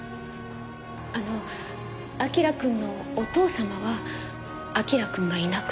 あの彬くんのお父様は彬くんがいなくなった事を？